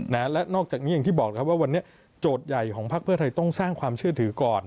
และนอกจากนี้อย่างที่บอกนะครับว่าวันนี้โจทย์ใหญ่ของพักเพื่อไทยต้องสร้างความเชื่อถือก่อน